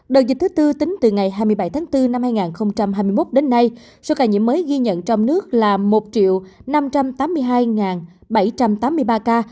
đợt dịch thứ tư tính từ ngày hai mươi bảy tháng bốn năm hai nghìn hai mươi một đến nay số ca nhiễm mới ghi nhận trong nước là một năm trăm tám mươi hai bảy trăm tám mươi ba ca